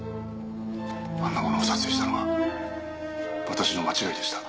「あんなものを撮影したのは私の間違いでした」